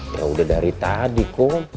yaudah dari tadi kum